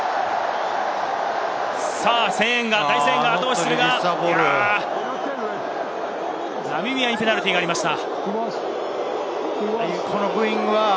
大声援が後押ししますが、ナミビアにペナルティーがありました。